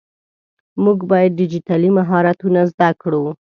مونږ باید ډيجيټلي مهارتونه زده کړو.